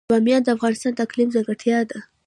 بامیان د افغانستان د اقلیم ځانګړتیا ده.